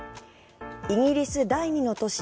イギリス第２の都市